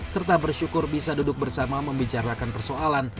serta bersyukur bisa duduk bersama membicarakan persoalan